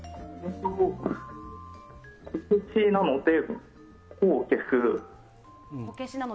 こけしなので、こを消す。